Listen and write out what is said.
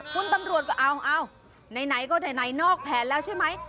คุณตำรวจก็เอาไหนก็ไหนนอกแผนแล้วใช่ไหม